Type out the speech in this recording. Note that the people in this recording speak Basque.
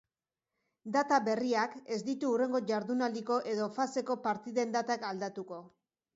Data berriak ez ditu hurrengo jardunaldiko edo faseko partiden datak aldatuko.